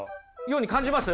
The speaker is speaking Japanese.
ように感じます？